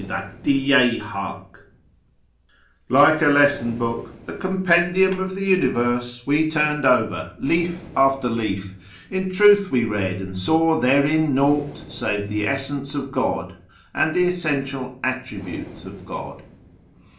MYSTICISM, METAPHYSIC, AND MAGIC 137 " Like a lesson book, the compendium of the Universe We turned over, leaf after leaf : In truth we read and saw therein naught Save the Essence of God, and the Essential Attributes of God."